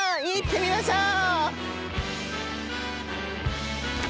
行ってみましょう！